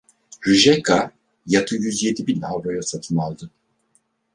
Rijeka yatı yüz yedi bin avroya satın aldı.